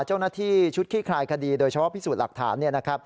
เจ้าหน้าที่ชุดขี้คลายคดีโดยเฉพาะพิสูจน์หลักฐาน